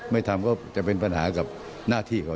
ไม่ทำก็จะเป็นปัญหากับหน้าที่เขา